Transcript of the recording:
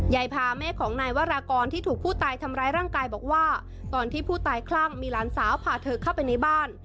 พาแม่ของนายวรากรที่ถูกผู้ตายทำร้ายร่างกายบอกว่าตอนที่ผู้ตายคลั่งมีหลานสาวพาเธอเข้าไปในบ้าน